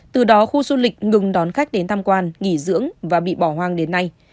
từ đó khu du lịch ngừng đón khách đến tham quan nghỉ dưỡng và bị bỏ hoang đến nay